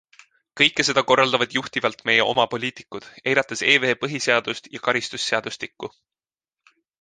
Kõike seda korraldavad juhtivalt meie oma poliitikud, eirates EV põhiseadust ja karistusseadustikku.